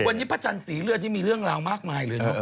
วันนี้พระจันทร์สีเลือดนี่มีเรื่องราวมากมายเลยนะ